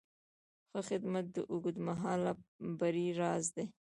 ښه خدمت د اوږدمهاله بری راز دی.